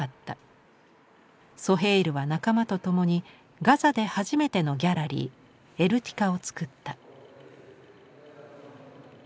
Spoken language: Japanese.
ソヘイルは仲間と共にガザで初めてのギャラリー「エルティカ」を作った。